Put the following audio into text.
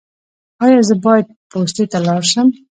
ایا زه باید پوستې ته لاړ شم؟